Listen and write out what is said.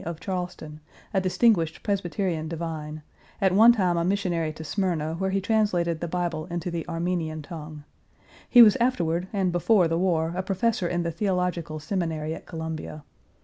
of Charleston, a distinguished Presbyterian divine, at one time a missionary to Smyrna where he translated the Bible into the Armenian tongue. He was afterward and before the war a professor in the Theological Seminary at Columbia.